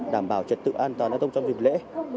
đảm bảo trật tự an toàn giao thông trong dịp lễ